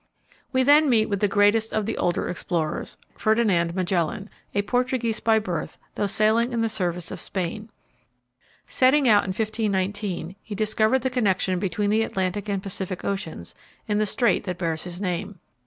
We then meet with the greatest of the older explorers, Ferdinand Magellan, a Portuguese by birth, though sailing in the service of Spain. Setting out in 1519, he discovered the connection between the Atlantic and Pacific Oceans in the strait that bears his name.